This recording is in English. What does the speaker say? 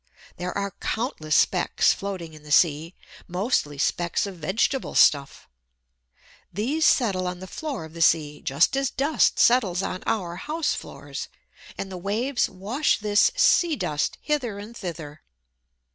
There are countless specks floating in the sea, mostly specks of vegetable stuff. These settle on the floor of the sea, just as dust settles on our house floors; and the waves wash this "sea dust" hither and thither.